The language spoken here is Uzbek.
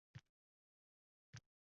Taqdiringdan senga dunyo